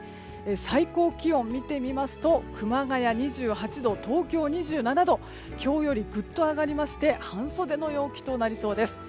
最高気温見てみますと熊谷２８度東京２７度今日よりぐっと上がりまして半袖の陽気となりそうです。